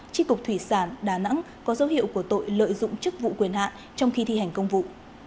tri cục thủy sản đà nẵng có dấu hiệu của tội lợi dụng chức vụ quyền hạn trong khi thi hành công vụ